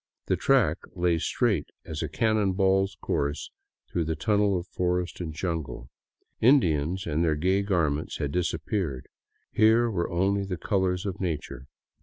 The track lay straight as a cannon ball's course through the tunnel of forest and jungle. Indians and their gay gar ments had disappeared; here were only the colors of nature.